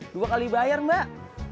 dua kali bayar mbak